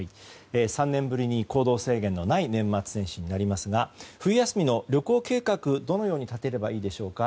３年ぶりに行動制限のない年末年始になりますが冬休みの旅行計画、どのように立てればいいでしょうか。